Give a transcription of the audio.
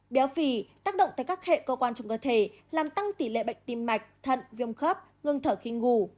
béo phì tác động tới các hệ cơ quan trong cơ thể làm tăng tỷ lệ bệnh tim mạch thận viêm khớp ngưng thở khi ngủ